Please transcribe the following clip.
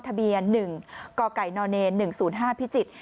ทะเบียน๑กกน๑๐๕พิจิตร